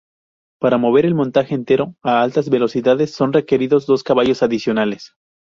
Para mover el montaje entero a altas velocidades son requeridos dos caballos adicionales.